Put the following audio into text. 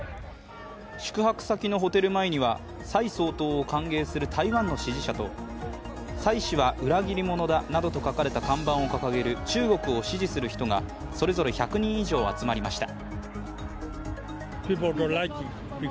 宿泊先のホテル前には蔡総統を歓迎する台湾の支持者と蔡氏は裏切り者などと書かれた看板を掲げる中国を支持する人が、それぞれ１００人以上集まりました。